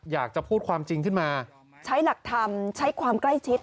อยากจะพูดความจริงขึ้นมาใช้หลักธรรมใช้ความใกล้ชิด